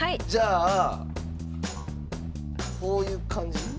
じゃあこういう感じ？